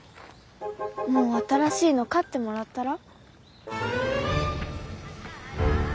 もう新しいの買ってもらったら？